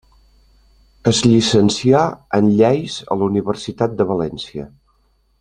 Es llicencià en lleis a la Universitat de València.